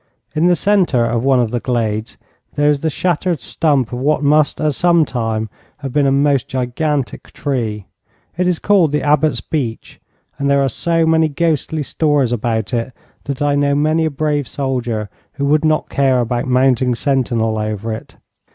In the centre of one of the glades, there is the shattered stump of what must at some time have been a most gigantic tree. It is called the Abbot's Beech, and there are so many ghostly stories about it, that I know many a brave soldier who would not care about mounting sentinel over it.